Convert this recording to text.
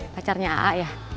pacarnya aa ya